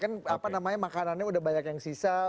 kan apa namanya makanannya udah banyak yang sisa